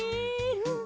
うん。